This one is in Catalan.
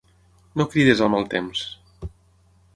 No cridis al mal temps.